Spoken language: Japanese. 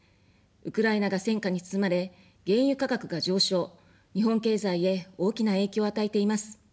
ウクライナが戦火に包まれ、原油価格が上昇、日本経済へ大きな影響を与えています。